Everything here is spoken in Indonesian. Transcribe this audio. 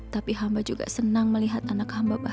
tapi hamba juga senang melihat anak hamba